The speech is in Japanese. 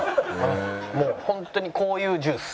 もうホントにこういうジュース。